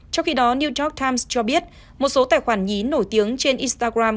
trong khi đó new york times cho biết một số tài khoản nhí nổi tiếng trên instagram